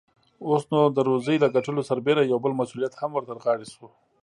اوس، نو د روزۍ له ګټلو سربېره يو بل مسئوليت هم ور ترغاړې شو.